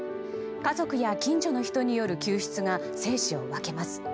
家族や近所の人による救出が生死を分けます。